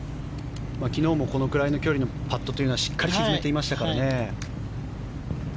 昨日もこのくらいの距離のパットはしっかり沈めていましたからね。